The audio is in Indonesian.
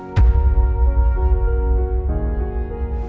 saya pasti akan bantu kamu